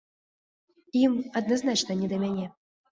Ім адназначна не да мяне.